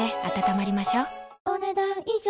お、ねだん以上。